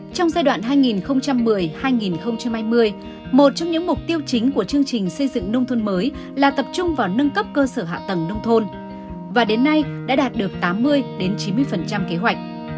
trong giai đoạn hai nghìn một mươi hai nghìn hai mươi một trong những mục tiêu chính của chương trình xây dựng nông thôn mới là tập trung vào nâng cấp cơ sở hạ tầng nông thôn và đến nay đã đạt được tám mươi chín mươi kế hoạch